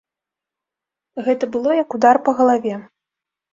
Гэта было як удар па галаве.